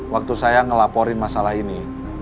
waktu saya ngelaporin masalah ini